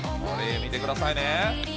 見てくださいね。